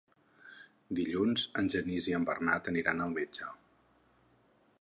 Dilluns en Genís i en Bernat aniran al metge.